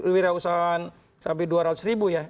wirausahaan sampai dua ratus ribu ya